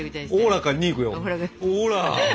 ほら。